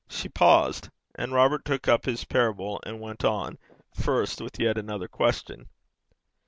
She paused, and Robert took up his parable and went on, first with yet another question.